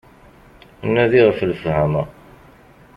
Nadi ɣef lefhama.